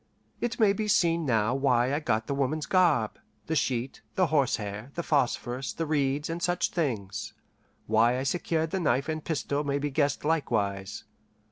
It may be seen now why I got the woman's garb, the sheet, the horsehair, the phosphorus, the reeds, and such things; why I secured the knife and pistol may be guessed likewise.